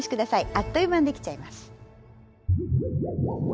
あっという間にできちゃいます。